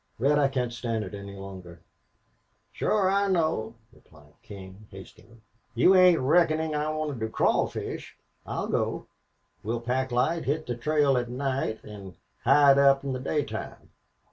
Red, I can't stand it longer." "Shore, I know," replied King, hastily. "You ain't reckonin' I wanted to crawfish? I'll go. We'll pack light, hit the trail at night, an' hide up in the daytime."